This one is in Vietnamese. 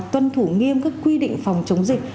tuân thủ nghiêm các quy định phòng chống dịch